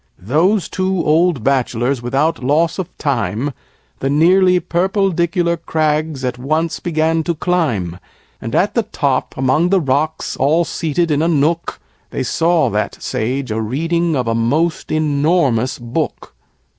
Those two old Bachelors without loss of time The nearly purpledicular crags at once began to climb; And at the top, among the rocks, all seated in a nook, They saw that Sage a reading of a most enormous book.